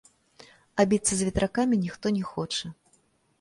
А біцца з ветракамі ніхто не хоча.